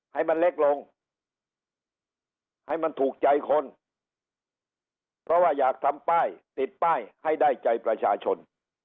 ให้มันเล็กลงให้มันถูกใจคนเพราะว่าอยากทำป้ายติดป้ายให้ได้ใจประชาชน